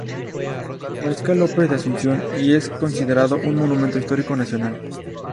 Mariscal López de Asunción y es considerado un monumento histórico nacional.